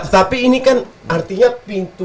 tapi ini kan artinya pintu